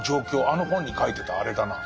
あの本に書いてたあれだな」。